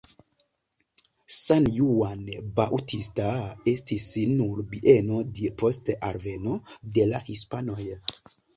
San Juan Bautista estis nur bieno depost alveno de la hispanoj.